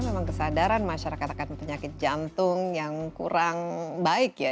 memang kesadaran masyarakat akan penyakit jantung yang kurang baik ya